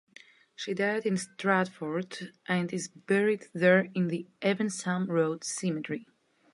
She died in Stratford and is buried there in the Evesham Road cemetery.